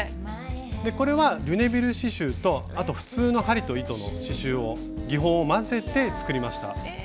これはリュネビル刺しゅうとあと普通の針と糸の刺しゅうを技法を混ぜて作りました。